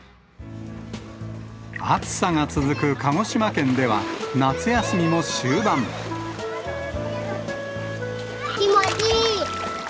暑さが続く鹿児島県では、気持ちいい。